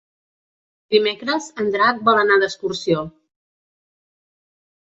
Dimecres en Drac vol anar d'excursió.